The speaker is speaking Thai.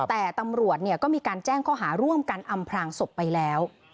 แต่ตำรวจก็มีการแจ้งข้อหาร่วมกันอำพลางศพไปแล้ว